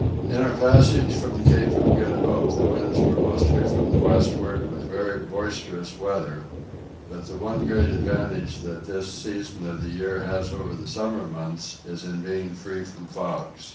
In our passage from the Cape of Good Hope the winds were mostly from the westward with very boisterous weather: but one great advantage that this season of the year has over the summer months is in being free from fogs.